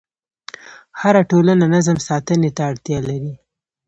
هره ټولنه نظم ساتنې ته اړتیا لري.